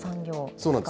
そうなんです。